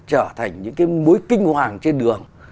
trở thành những cái mối kinh hoàng trên đường